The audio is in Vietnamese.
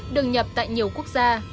được nhập tại nhiều quốc gia